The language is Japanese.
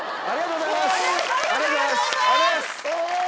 ありがとうございます。